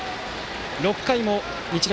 ６回も日大